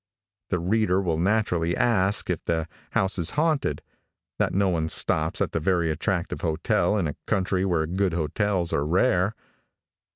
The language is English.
The reader will naturally ask if the house is haunted, that no one stops at the very attractive hotel in a country where good hotels are rare.